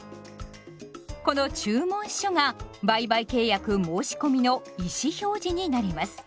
この注文書が売買契約申し込みの意思表示になります。